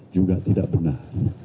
juga tidak benar